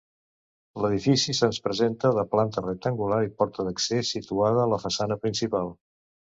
L'edifici se'ns presenta de planta rectangular i porta d'accés situada a la façana principal.